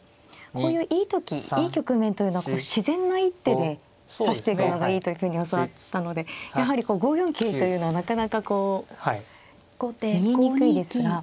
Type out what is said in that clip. こういういい時いい局面というのは自然な一手で指していくのがいいというふうに教わったのでやはり５四桂というのはなかなかこう見えにくいですが。